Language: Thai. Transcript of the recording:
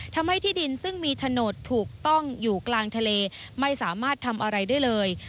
ที่ดินซึ่งมีโฉนดถูกต้องอยู่กลางทะเลไม่สามารถทำอะไรได้เลย